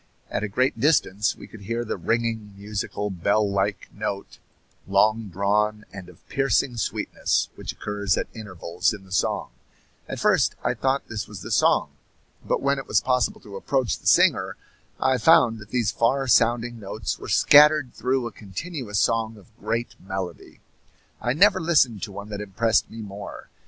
At a great distance we could hear the ringing, musical, bell like note, long drawn and of piercing sweetness, which occurs at intervals in the song; at first I thought this was the song, but when it was possible to approach the singer I found that these far sounding notes were scattered through a continuous song of great melody. I never listened to one that impressed me more.